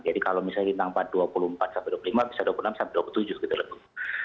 jadi kalau misalnya di bintang empat dua puluh empat sampai dua puluh lima bisa dua puluh enam sampai dua puluh tujuh gitu